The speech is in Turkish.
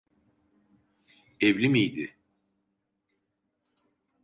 Evli miydi?